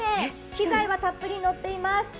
機材はたっぷりのっています。